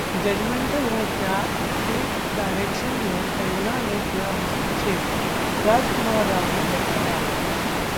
Judgemental Hai Kya के direction में कंगना ने किया हस्तक्षेप? राजकुमार राव ने बताया